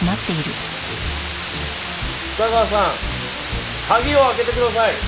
二川さん鍵を開けてください！